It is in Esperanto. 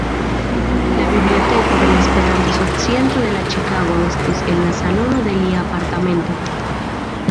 La Biblioteko de la Esperanto-Societo de Ĉikago estis en la salono de lia apartamento.